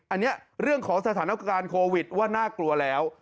อันนี้เรื่องของสถานการณ์โควิดว่าน่ากลัวแล้ว